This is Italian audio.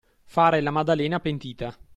Fare la maddalena pentita.